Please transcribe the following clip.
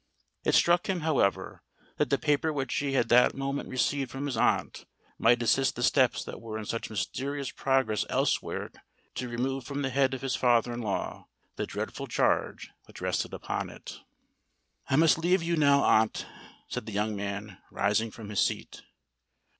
It struck him, however, that the paper which he had that moment received from his aunt might assist the steps that were in such mysterious progress elsewhere to remove from the head of his father in law the dreadful charge which rested upon it. "I must now leave you, aunt," said the young man, rising from his seat.